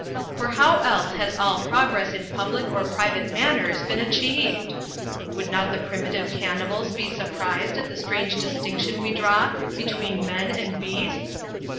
For how else has all progress in public or private man ners been achieved? Would not the primitive can nibals be siu prised at the strange distinction we draw between men and beasts